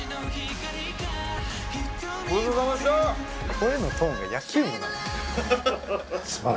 声のトーンが野球部なのよ。